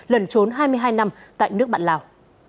lẩn trốn hai mươi hai năm tại nước bạn lào